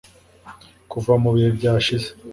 kuva mu bihe byashize